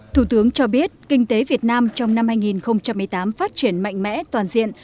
thủ tướng cho biết kinh tế việt nam trong năm hai nghìn một mươi tám phát triển mạnh mẽ toàn diện